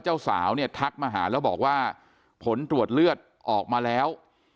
เจ้าสาวเนี่ยทักมาหาแล้วบอกว่าผลตรวจเลือดออกมาแล้ว